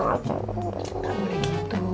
enggak boleh gitu